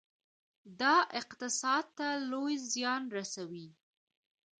دا اقتصاد ته لوی زیان رسوي.